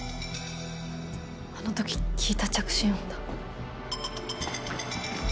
あの時聞いた着信音だ。